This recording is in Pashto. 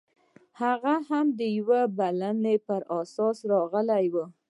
هغه هم د یوې بلنې پر اساس راغلی و